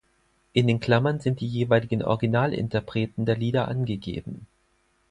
In den Klammern sind die jeweiligen Originalinterpreten der Lieder angegeben.